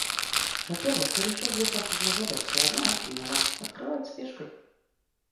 Во-первых, я решил две шахматные задачи, и одна очень мила, — открывается пешкой.